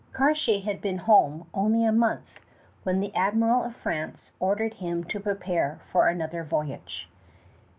Cartier had been home only a month when the Admiral of France ordered him to prepare for another voyage.